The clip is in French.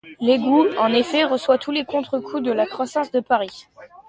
L’égout, en effet, reçoit tous les contre-coups de la croissance de Paris.